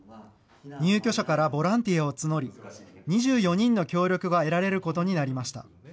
入居者からボランティアを募り、２４人の協力が得られることになりました。